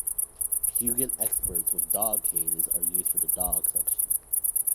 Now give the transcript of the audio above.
Peugeot Experts with dog cages are used for the Dog Section.